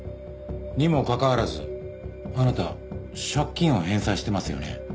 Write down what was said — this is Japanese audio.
にもかかわらずあなた借金を返済してますよね？